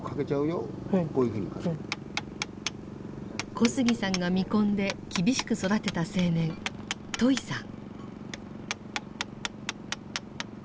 小杉さんが見込んで厳しく育てた青年トイさん。